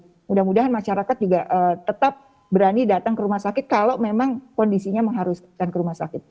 jadi mudah mudahan masyarakat juga tetap berani datang ke rumah sakit kalau memang kondisinya mengharuskan ke rumah sakit